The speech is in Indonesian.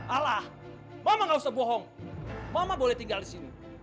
alah mama gak usah bohong mama boleh tinggal di sini